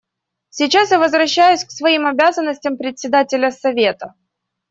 Сейчас я возвращаюсь к своим обязанностям Председателя Совета.